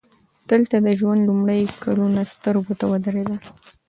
دلته د ژوند لومړي کلونه سترګو ته ودرېدل